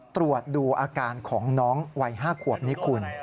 ตรวจดูอาการของน้องวัย๕ขวบนี้คุณ